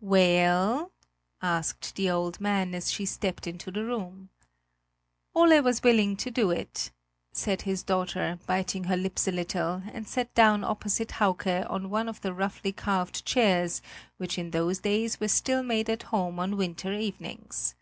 "Well?" asked the old man, as she stepped into the room. "Ole was willing to do it," said his daughter, biting her lips a little, and sat down opposite Hauke on one of the roughly carved chairs which in those days were still made at home on winter evenings.